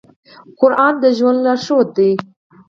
قرآن د ژوند لارښود دی.